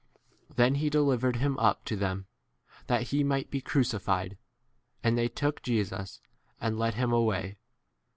Then he delivered him up to them, that he might be crucified; and they took Jesus and led him away.